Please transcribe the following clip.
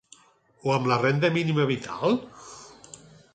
O amb la renda mínima vital?